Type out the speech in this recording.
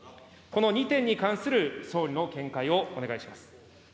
この２点に関する総理の見解をお願いします。